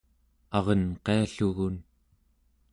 arenqiallugun